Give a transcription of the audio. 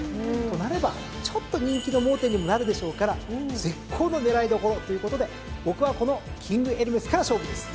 となればちょっと人気の盲点にもなるでしょうから絶好の狙いどころということで僕はこのキングエルメスから勝負です。